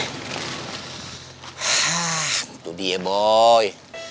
hah gitu dia boy